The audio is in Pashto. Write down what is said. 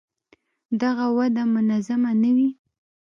دغه وده منظمه نه وي.